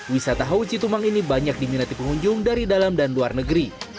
wisata houci tumang ini banyak diminati pengunjung dari dalam dan luar negeri